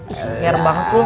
ih nyer banget lu